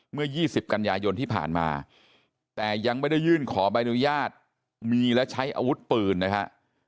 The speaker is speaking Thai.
เมื่อ๒๐กันยายนที่ผ่านมาแต่ยังไม่ได้ยื่นขอใบอนุญาตมีและใช้อาวุธปืนนะฮะ